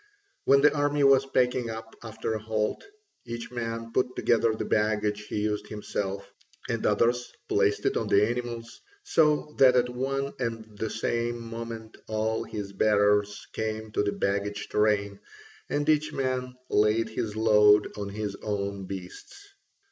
When the army was packing up after a halt, each man put together the baggage he used himself, and others placed it on the animals: so that at one and the same moment all his bearers came to the baggage train and each man laid his load on his own beasts.